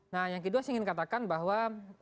nah yang kedua saya ingin katakan bahwa